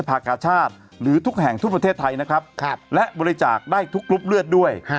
ภาคชาติหรือทุกแห่งทั่วประเทศไทยนะครับและบริจาคได้ทุกกรุ๊ปเลือดด้วย